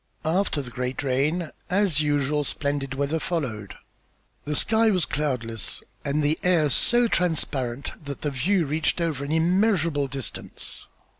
After the great rain, as usual, splendid weather followed. The sky was cloudless, and the air so transparent that the view reached over an immeasurable distance.